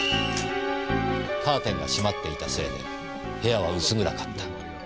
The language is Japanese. カーテンが閉まっていたせいで部屋は薄暗かった。